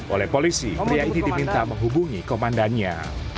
oleh polisi pria ini diminta menghubungi komandannya